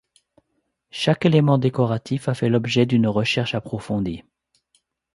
Chaque élément décoratif a fait l'objet d'une recherche approfondie.